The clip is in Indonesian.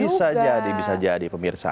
bisa jadi bisa jadi pemirsa